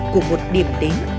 của một điểm đến